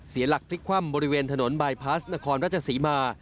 หลักพลิกคว่ำบริเวณถนนบายพลาสนครราชศรีมา